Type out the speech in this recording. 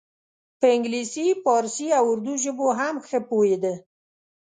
په انګلیسي پارسي او اردو ژبو هم ښه پوهیده.